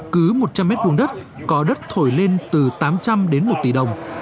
cứ một trăm linh mét vuông đất có đất thổi lên từ tám trăm linh đến một tỷ đồng